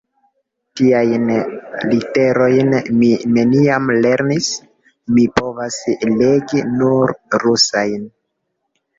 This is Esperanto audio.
Tiajn literojn mi neniam lernis; mi povas legi nur rusajn.